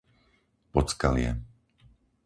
Podskalie